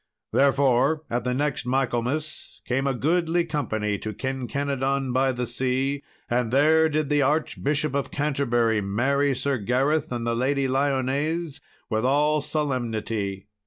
Therefore, at the next Michaelmas, came a goodly company to Kinkenadon by the Sea. And there did the Archbishop of Canterbury marry Sir Gareth and the Lady Lyones with all solemnity.